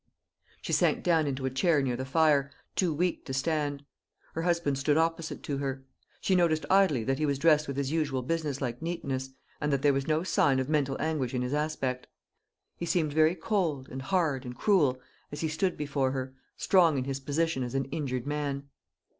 She sank down into a chair near the fire, too weak to stand. Her husband stood opposite to her. She noticed idly that he was dressed with his usual business like neatness, and that there was no sign of mental anguish in his aspect. He seemed very cold and hard and cruel as he stood before her, strong in his position as an injured man.